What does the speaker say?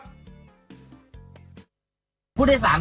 คุณผู้ชมไปดูอีกหนึ่งเรื่องนะคะครับ